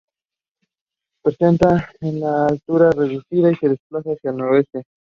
Presenta una altura reducida y se desplaza hacia el noroeste.